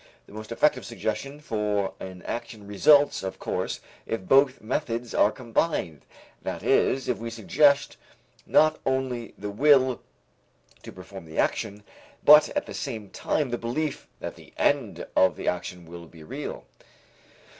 The most effective suggestion for an action results, of course, if both methods are combined, that is, if we suggest not only the will to perform the action, but at the same time the belief that the end of the action will be real.